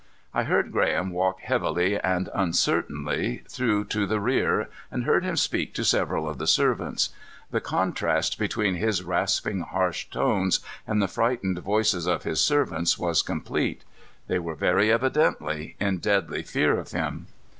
I heard Graham walk heavily and uncertainly through to the rear and heard him speak to several of the servants. The contrast between his rasping, harsh tones and the frightened voices of his servants was complete. They were very evidently in deadly fear of him.